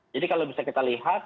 jadi kalau bisa kita lihat